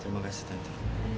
terima kasih tante